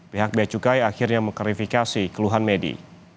pihak bea cukai akhirnya mengkarifikasi keluhan medi